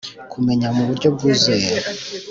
kumenya muburyo bwuzuye